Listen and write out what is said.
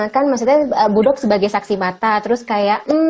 kan maksudnya bodoh sebagai saksi mata terus kayak